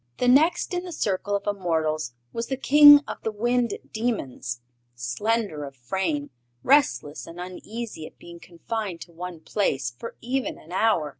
The next in the circle of immortals was the King of the Wind Demons, slender of frame, restless and uneasy at being confined to one place for even an hour.